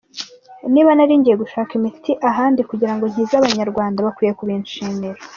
Niba naragiye gushaka imiti ahandi kugira ngo nkize abanyarwanda bakwiye kubinshimira”.